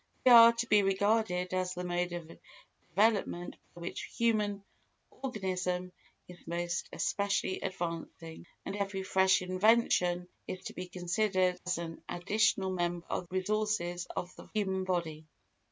They are to be regarded as the mode of development by which human organism is most especially advancing, and every fresh invention is to be considered as an additional member of the resources of the human body.